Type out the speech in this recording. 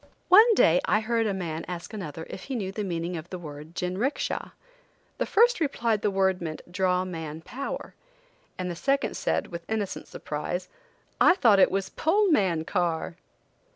One day I heard a man ask another if he knew the meaning of the word "jinricksha." the first replied the word meant "Draw man power," and the second said, with innocent surprise, "I thought it was 'Pull man car!'"